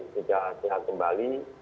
sudah sehat kembali